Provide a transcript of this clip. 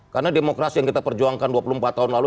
karena demokrasi yang kita perjuangkan dua puluh empat tahun lalu